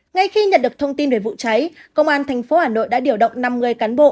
ngay khi nhận được thông tin về vụ cháy công an thành phố hà nội đã điều động năm người cán bộ